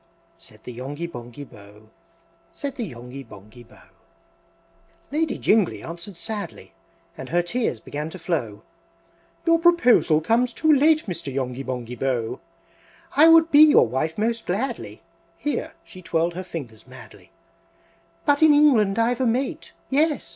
Said the Yonghy Bonghy Bò, Said the Yonghy Bonghy Bò. V. Lady Jingly answered sadly, And her tears began to flow, "Your proposal comes too late, Mr. Yonghy Bonghy Bò! I would be your wife most gladly!" (Here she twirled her fingers madly,) "But in England I've a mate! Yes!